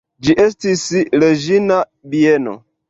Ĝi estis reĝina bieno.